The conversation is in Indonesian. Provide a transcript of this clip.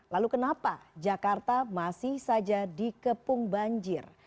lalu kenapa jakarta masih saja dikepung banjir